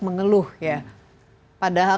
mengeluh ya padahal